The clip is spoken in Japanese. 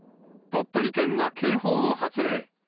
鳥取県は警報を発令。